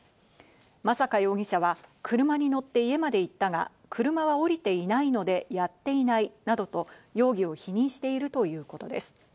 真坂容疑者は車に乗って家まで行ったが、車は降りていないので、やっていないなどと容疑を否認しているということです。